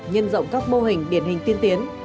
nhân rộng các mô hình điển hình tiên tiến